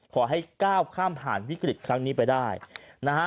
ขอให้ก้าวข้ามผ่านวิกฤตครั้งนี้ไปได้นะฮะ